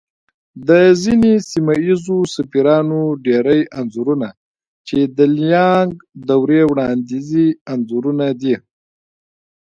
د ځينې سيمه ييزو سفيرانو ډېری انځورنه چې د ليانگ دورې وړانديزي انځورونه دي